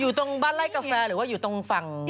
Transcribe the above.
อยู่ตรงบ้านไล่กาแฟหรือว่าอยู่ตรงวังเอกมัย